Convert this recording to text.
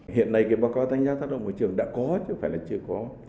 hiện nay báo cáo thanh giác tác động môi trường đã có chứ không phải là chưa có